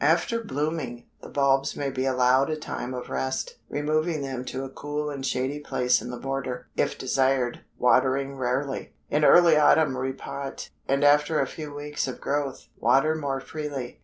After blooming, the bulbs may be allowed a time of rest, removing them to a cool and shady place in the border, if desired, watering rarely. In early autumn repot, and after a few weeks of growth, water more freely.